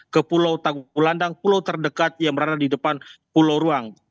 ke pulau gelandang pulau terdekat yang berada di depan pulau ruang